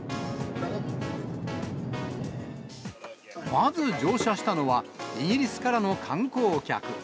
まず、乗車したのは、イギリスからの観光客。